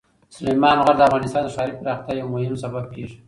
سلیمان غر د افغانستان د ښاري پراختیا یو مهم سبب کېږي.